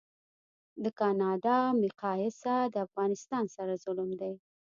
د کانادا مقایسه د افغانستان سره ظلم دی